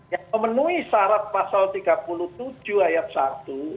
yang memenuhi syarat pasal tiga puluh tujuh ayat satu